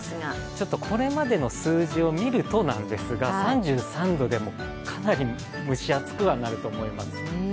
ちょっとこれまでの数字を見るとなんですが、３３度でも、かなり蒸し暑くはなると思います。